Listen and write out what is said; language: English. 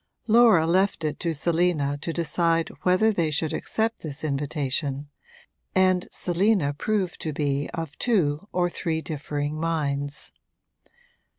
Laura left it to Selina to decide whether they should accept this invitation, and Selina proved to be of two or three differing minds.